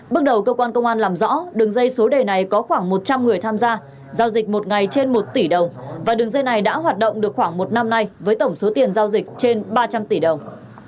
bước đầu cơ quan công an làm rõ đường dây số đề này có khoảng một trăm linh người tham gia giao dịch một ngày trên một tỷ đồng và đường dây này đã hoạt động được khoảng một năm nay với tổng số tiền giao dịch trên ba trăm linh tỷ đồng